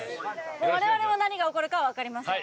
我々も何が起こるか分かりません